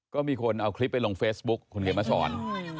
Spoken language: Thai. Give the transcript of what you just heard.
ก็มีคนเอาคลิปไปลงเฟซบุ๊คคุณเขียนมาสอน